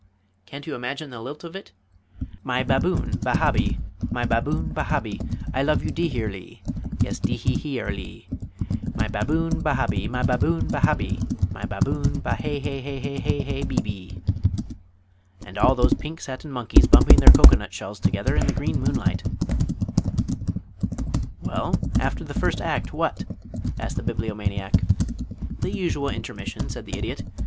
Can't you imagine the lilt of it: "My Bab boon ba habee, My Bab boon ba habee I love you dee her lee Yes dee hee hee er lee. My Baboon ba ha bee, My Baboon ba ha bee, My baboon Ba hay hay hay hay hay hay bee bee. "And all those pink satin monkeys bumping their cocoanut shells together in the green moonlight " "Well, after the first act, what?" asked the Bibliomaniac. "The usual intermission," said the Idiot.